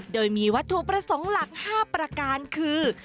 โดยมีวัตถุประสงค์หลัก๕ประการคือ